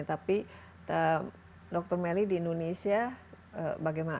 tapi dr melly di indonesia bagaimana